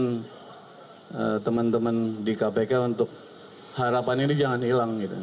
dan teman teman di kpk untuk harapan ini jangan hilang gitu